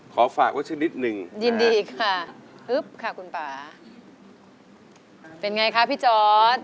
ขอฝากว่าฉะนิดนึงนะครับเป็นไงครับพี่จอศ